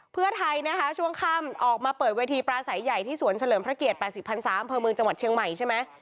เพื่อไทยช่วงค่ำออกมาเปิดเวทีปลาสายใหญ่ที่สวนเฉลิมพระเกียรติ๘๐๓๐๐บเชียงใหม่ใช่ไหม